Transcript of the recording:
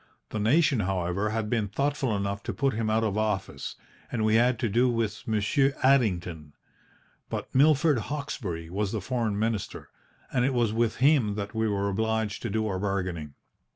The nation, however, had been thoughtful enough to put him out of office, and we had to do with Monsieur Addington. But Milord Hawkesbury was the Foreign Minister, and it was with him that we were obliged to do our bargaining.